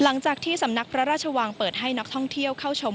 หลังจากที่สำนักพระราชวังเปิดให้นักท่องเที่ยวเข้าชม